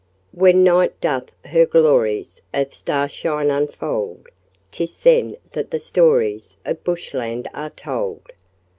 When night doth her glories Of starshine unfold, 'Tis then that the stories Of bush land are told.